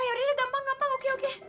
ya udah gampang gampang oke oke